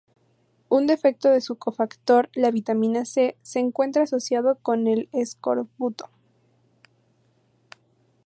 Un defecto en su cofactor, la vitamina C, se encuentra asociado con el escorbuto.